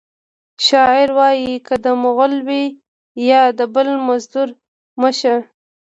شاعر وایی که د مغل وي یا د بل مزدور مه شه